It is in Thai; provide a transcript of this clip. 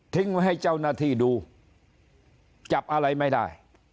ไว้ให้เจ้าหน้าที่ดูจับอะไรไม่ได้